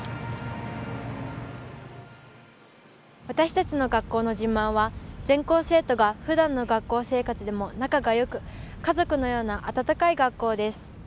私たちの学校の自慢は全校生徒がふだんの学校生活でも仲がよく家族のような温かい学校です。